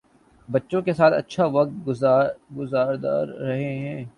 بچوں کے ساتھ اچھا وقت گذار رہے ہیں